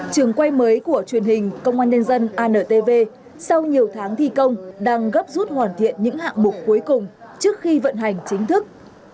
trường quay mới của truyền hình công an nhân dân antv sau nhiều tháng thi công đang gấp rút hoàn thiện những hạng mục cuối cùng trước khi vận hành chính thức